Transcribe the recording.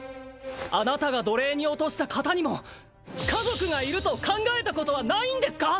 あなたが奴隷に落とした方にも家族がいると考えたことはないんですか！